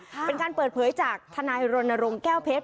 เป็นการเปิดเผยจากทนายรณรงค์แก้วเพชร